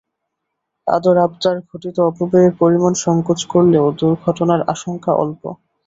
আদর-আবদার-ঘটিত অপব্যয়ের পরিমাণ সংকোচ করলেও দুর্ঘটনার আশঙ্কা অল্প।